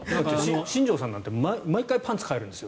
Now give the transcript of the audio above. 新庄さんなんて毎回パンツ替えるんですよ。